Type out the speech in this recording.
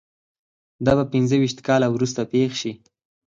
دا به پنځه ویشت کاله وروسته پېښ شي